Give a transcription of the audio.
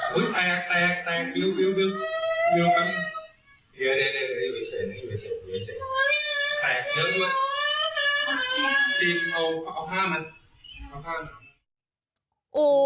เฮ้ยตากเร็ว